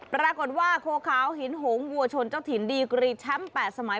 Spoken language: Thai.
ปรากฏว่าโคขาวหินหงวัวชนเจ้าถิ่นดีกรีแชมป์๘สมัย